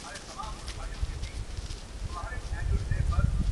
“ما چي د زاهد کیسه کول تاسي به نه منل!